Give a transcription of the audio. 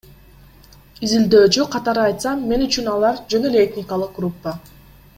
Изилдөөчү катары айтсам, мен үчүн алар — жөн эле этникалык группа.